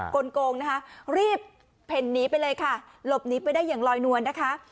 ลงนะคะรีบเพ่นหนีไปเลยค่ะหลบหนีไปได้อย่างลอยนวลนะคะ